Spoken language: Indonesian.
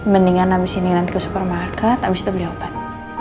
mendingan habis ini nanti ke supermarket abis itu beli obat